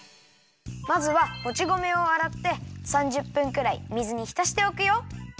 まずはもち米をあらって３０分くらい水にひたしておくよ。